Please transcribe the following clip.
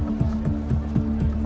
tuhan frank palmer